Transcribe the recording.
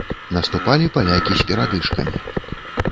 Наступалі палякі з перадышкамі.